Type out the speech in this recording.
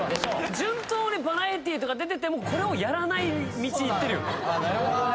順当にバラエティーとか出ててもこれをやらない道行ってるよね・